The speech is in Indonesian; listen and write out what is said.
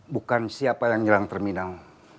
bukan siapa yang nyerang terminal